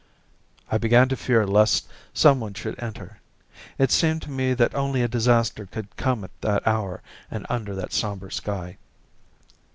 I began to fear lest someone should enter. It seemed to me that only a disaster could come at that hour and under that sombre sky.